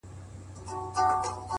د حيا تور پوړونی مه ورکوه چي غورځوه;